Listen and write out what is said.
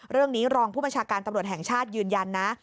เรื่องนี้รองผู้ประชาการตำรวจแห่งชาติยืนยันนะ